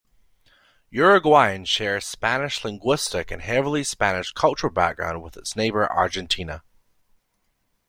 Uruguayans share a Spanish linguistic and heavily Spanish cultural background with its neighbour Argentina.